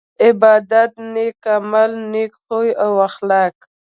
عبادت نيک عمل نيک خوي او اخلاق